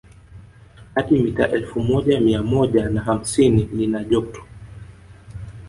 Hadi mita elfu moja mia moja na hamsini lina jopto